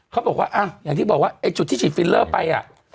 เขาบอกว่าอย่างที่บอกว่าไอ้จุดที่ฉีดฟิลเลอร์ไป